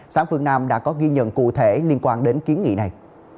sáng phương nam đã có ghi nhận cụ thể liên quan đến kiến nghị này